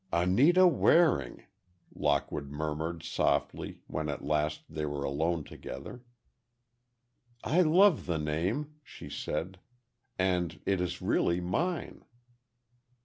"Anita Waring," Lockwood murmured softly when at last they were alone together. "I love the name," she said, "and it is really mine."